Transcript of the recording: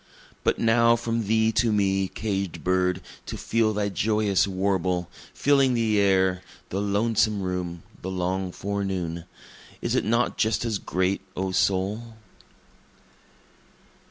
But now from thee to me, caged bird, to feel thy joyous warble, Filling the air, the lonesome room, the long forenoon, Is it not just as great, O soul?